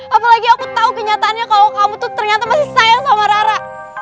apalagi aku tahu kenyataannya kalau kamu tuh ternyata masih sayang sama rara